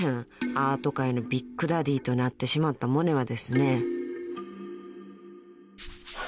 ［アート界のビッグダディとなってしまったモネはですね］